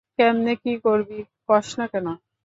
কেমনে কী করবি কসনা কেন?